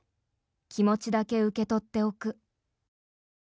気持ちだけ受け取っておく。